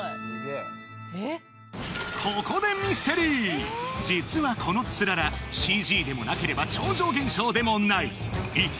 ここでミステリー実はこのつららＣＧでもなければ超常現象でもない一体